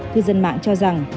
thưa dân mạng cho rằng